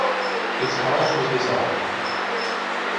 Its college was dissolved.